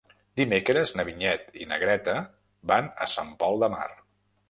Dimecres na Vinyet i na Greta van a Sant Pol de Mar.